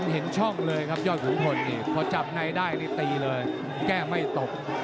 เห็นช่องเลยครับยอดขุนพลนี่พอจับในได้นี่ตีเลยแก้ไม่ตก